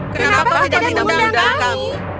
kenapa kita tidak mengundang undang kami